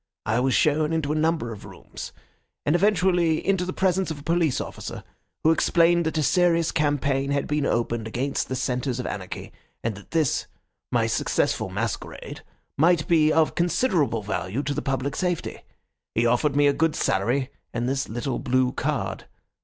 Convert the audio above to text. I was shown into a number of rooms, and eventually into the presence of a police officer, who explained that a serious campaign had been opened against the centres of anarchy, and that this, my successful masquerade, might be of considerable value to the public safety. He offered me a good salary and this little blue card.